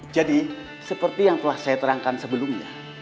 jadi seperti yang telah saya terangkan sebelumnya